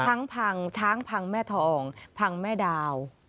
พังช้างพังแม่ทองพังแม่ดาว